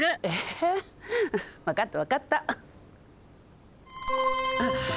えっ？